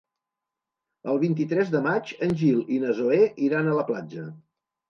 El vint-i-tres de maig en Gil i na Zoè iran a la platja.